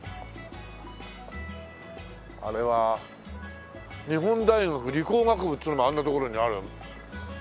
あれは日本大学理工学部っつうのあんな所にある。